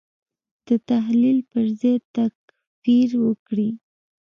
د تحلیل پر ځای تکفیر وکړي.